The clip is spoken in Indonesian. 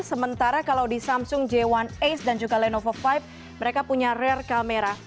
sementara kalau di samsung j satu ace dan juga lenovo lima mereka punya rare kamera